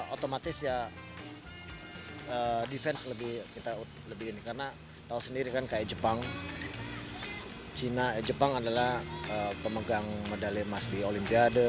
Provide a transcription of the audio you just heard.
otomatis ya defense lebih karena tahu sendiri kan kayak jepang cina jepang adalah pemegang medale emas di olimpiade